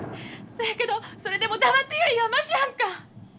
そやけどそれでも黙ってるよりはましやんか！